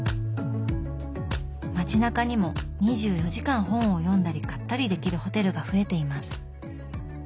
街なかにも２４時間本を読んだり買ったりできるホテルが増えています。